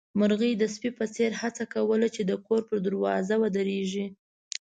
مرغۍ د سپي په څېر هڅه کوله چې د کور پر دروازه ودرېږي.